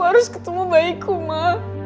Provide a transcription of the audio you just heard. harus ketemu bayiku ma